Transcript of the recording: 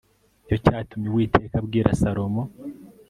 ni cyo cyatumye uwiteka abwira salomo